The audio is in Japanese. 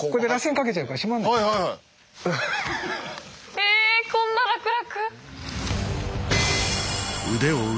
えこんな楽々。